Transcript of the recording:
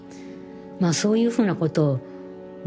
そういうふうなことをね